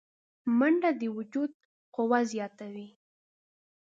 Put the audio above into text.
منډه د وجود قوه زیاتوي